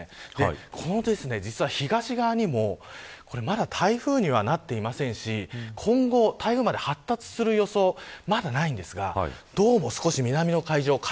この東側にもまだ台風にはなっていませんし今後、台風まで発達する予想はまだないんですがどうも少し南の海上海